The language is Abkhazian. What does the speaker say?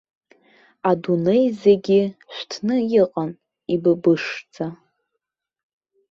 Адунеи зегьы шәҭны иҟан, ибыбышӡа.